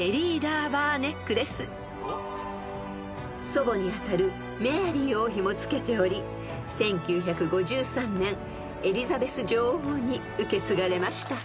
［祖母に当たるメアリー王妃もつけており１９５３年エリザベス女王に受け継がれました］